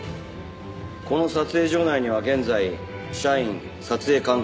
この撮影所内には現在社員撮影関係者